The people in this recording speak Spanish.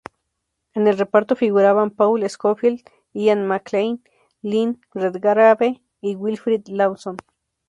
En el reparto figuraban Paul Scofield, Ian McKellen, Lynn Redgrave y Wilfrid Lawson.